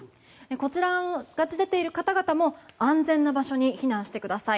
こちらが出ている方々も安全な場所に避難してください。